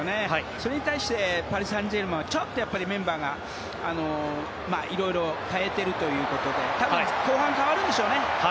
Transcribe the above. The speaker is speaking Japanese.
それに対してパリ・サンジェルマンはちょっとメンバーをいろいろと代えているということで多分、後半に代わるんでしょうね。